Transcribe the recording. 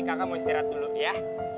kakak mau istirahat dulu ya